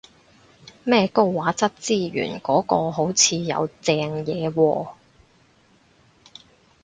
咩高畫質資源嗰個好似有正嘢喎